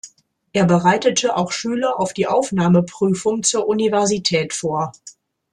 Er bereitete auch Schüler auf die Aufnahmeprüfung zur Universität vor.